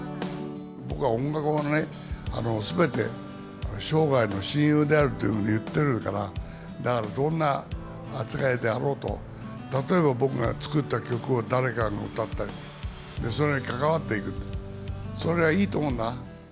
僕は音楽はね、すべて生涯の親友であるというふうに言ってるから、だからどんな扱いであろうと、例えば僕が作った曲を誰かが歌ったり、それに関わっていく、それがいいと思うな。